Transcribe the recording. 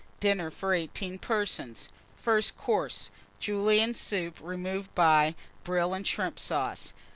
DINNER FOR 18 PERSONS. First Course. Julienne Soup, removed by Brill and Shrimp Sauce.